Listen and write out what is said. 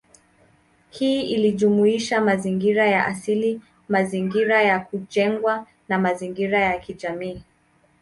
Hii inajumuisha mazingira ya asili, mazingira ya kujengwa, na mazingira ya kijamii.